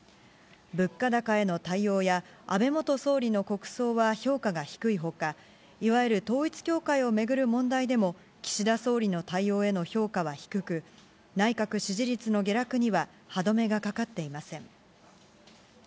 物価高への対応や、安倍元総理の国葬は評価が低いほか、いわゆる統一教会を巡る問題でも、岸田総理の対応への評価は低く、内閣支持率の下落には歯止めがかかっていません。